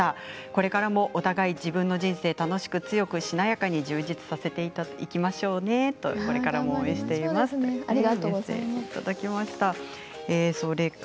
これからもお互い自分の人生楽しく、強く、しなやかに充実させていきましょうねとこれからも応援していますというメッセージです。